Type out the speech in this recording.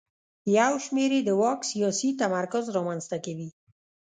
یو شمېر یې د واک سیاسي تمرکز رامنځته کوي.